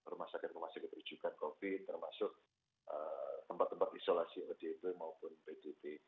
rumah sakit rumah sakit rujukan covid termasuk tempat tempat isolasi odp maupun pdb